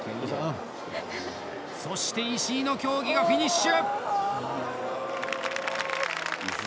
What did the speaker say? そして、石井の競技がフィニッシュ！